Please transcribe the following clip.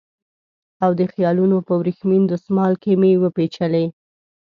او د خیالونو په وریښمین دسمال کې مې وپېچلې